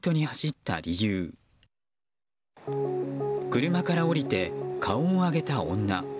車から降りて顔を上げた女。